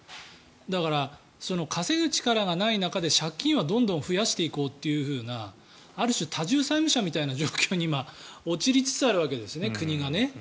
だから、稼ぐ力がない中で借金はどんどん増やしていこうみたいなある種多重債務者みたいな状況に陥りつつあるわけです、国が。